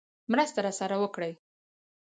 مرسته راسره وکړي.